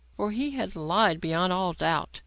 For he had lied, beyond all doubt.